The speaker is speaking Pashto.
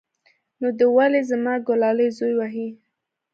نو دى ولې زما گلالى زوى وهي.